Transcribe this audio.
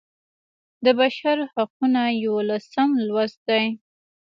د بشر حقونه یوولسم لوست دی.